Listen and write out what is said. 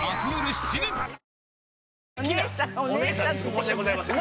申し訳ございません。